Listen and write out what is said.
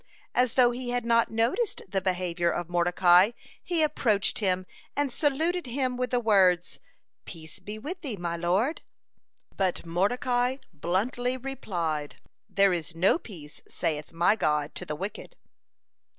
As though he had not noticed the behavior of Mordecai, he approached him, and saluted him with the words: "Peace be with thee, my lord!" But Mordecai bluntly replied: "There is no peace, saith my God, to the wicked."